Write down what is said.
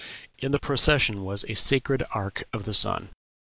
In the procession was "a sacred ark of the sun."